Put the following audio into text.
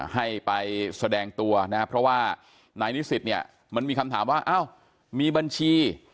ให้ไปแสดงตัวนะครับเพราะว่านายนิสิตเนี่ยมันมีคำถามว่าอ้าวมีบัญชี